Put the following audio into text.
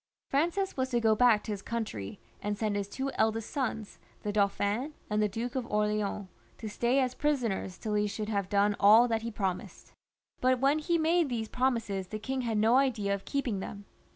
Francis was to go back to his coimtry, and send his two eldest sons, the Dauphin and the Duke of Orleans, to stay as prisoners till he should have done all that he promised. But when he made these promises the king had no idea of keeping them.